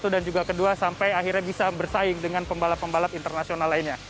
dan juga ke dua sampai akhirnya bisa bersaing dengan pembalap pembalap internasional lainnya